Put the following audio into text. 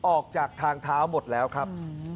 ออกจากทางเท้าหมดแล้วครับ